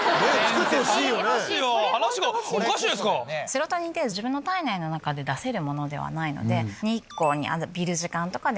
セロトニンって自分の体内の中で出せるものではないので。